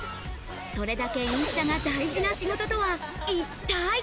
それだけインスタが大事な仕事とは一体？